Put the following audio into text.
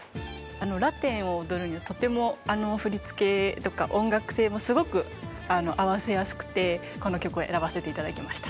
あのラテンを踊るのにとてもあの振り付けとか音楽性もすごく合わせやすくてこの曲を選ばせていただきました。